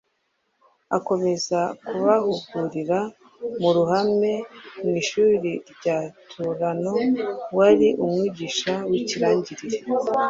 akomeza kubahugurira mu ruhame mu ishuri rya Turano wari umwigisha w’ikirangirire.